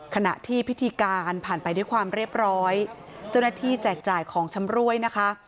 ขณะที่พิธีการผ่านไปด้วยความเรียบร้อยเจ้าหน้าที่แจกจ่ายของชำรวยนะคะ